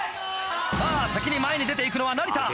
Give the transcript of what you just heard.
さぁ先に前に出ていくのは成田。